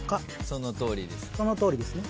そのとおりですね。